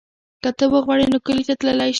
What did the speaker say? که ته وغواړې نو کلي ته تللی شو.